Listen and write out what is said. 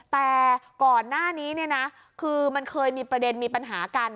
แต่ก่อนหน้านี้เนี่ยนะคือมันเคยมีประเด็นมีปัญหากัน